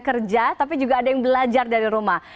kerja tapi juga ada yang belajar dari rumah